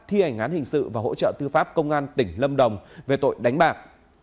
thi hành án hình sự và hỗ trợ tư pháp công an tỉnh lâm đồng về tội đánh bạc